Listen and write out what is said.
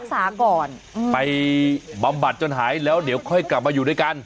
สาก่อนไปบำบัดจนหายแล้วเดี๋ยวค่อยกลับมาอยู่ด้วยกัน